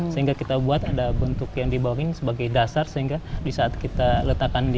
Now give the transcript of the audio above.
sehingga kita buat ada bentuk yang di bawah ini sebagai dasar sehingga di saat kita letakkan di